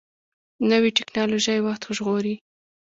نوې ټکنالوژي وخت ژغوري